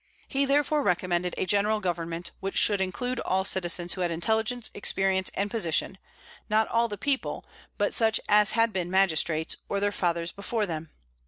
He therefore recommended a general government, which should include all citizens who had intelligence, experience, and position, not all the people, but such as had been magistrates, or their fathers before them.